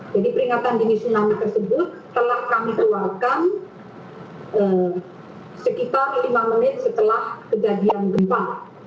jadi peringatan dini tsunami tersebut telah kami keluarkan sekitar lima menit setelah kejadian gempa